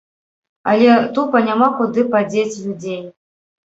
Але тупа няма куды падзець людзей.